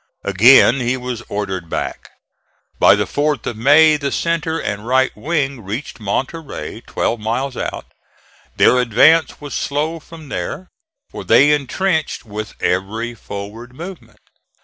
Again he was ordered back. By the 4th of May the centre and right wing reached Monterey, twelve miles out. Their advance was slow from there, for they intrenched with every forward movement.